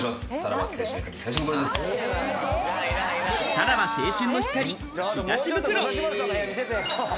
さらば青春の光・東ブクロです。